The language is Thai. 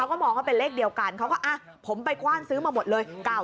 แล้วก็มองว่าเป็นเลขเดียวกันเขาก็ผมไปกว้านซื้อมาหมดเลย